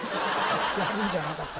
やるんじゃなかった。